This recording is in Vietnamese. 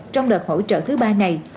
trong đợt hỗ trợ thứ ba này